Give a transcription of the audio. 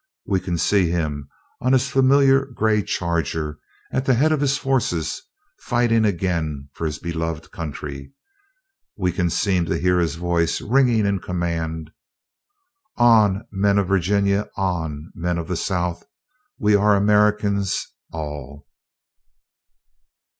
We can seem to see him on his familiar gray charger at the head of his forces, fighting again for his beloved country. We can seem to hear his voice ringing in command: "On, men of Virginia! On, men of the South! We are Americans all!"